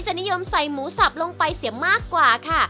นิยมใส่หมูสับลงไปเสียมากกว่าค่ะ